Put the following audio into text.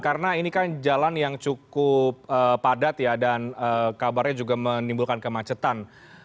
karena ini kan jalan yang cukup padat ya dan kabarnya juga menimbulkan kemacetan